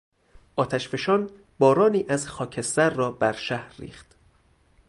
آتشفشان بارانی از خاکستر را بر شهر ریخت.